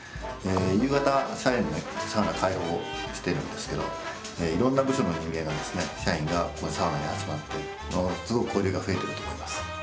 夕方社員にサウナ開放してるんですけどいろんな部署の人間がですね社員がサウナに集まってすごく交流が増えてると思います。